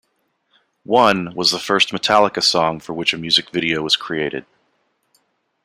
"One" was the first Metallica song for which a music video was created.